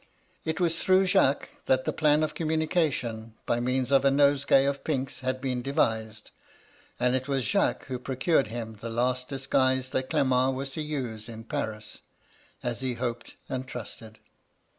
It was through Jacques that the plan of communication, by means of a nosegay of pinks, had been devised ; and it was Jacques who pro cured him the last disguise that G^ment was to use in Paris — as he hoped and trusted.